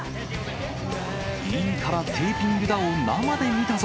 いいからテーピングだを生で見たぞ！